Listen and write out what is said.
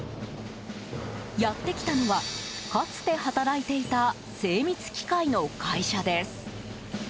やって来たのはかつて働いていた精密機械の会社です。